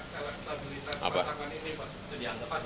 kelektabilitas pasangan ini pak